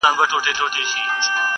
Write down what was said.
o ته ډېوه را واخله ماتې هم راکه,